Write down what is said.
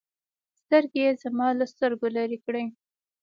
سترگې يې زما له سترگو لرې کړې.